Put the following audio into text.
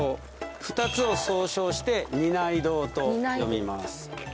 ２つを総称してにない堂と呼びます。